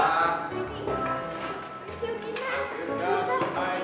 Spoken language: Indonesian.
ya udah selesai